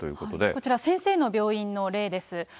こちら、先生の病院の例です。